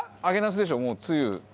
揚げなすでしょもうつゆ。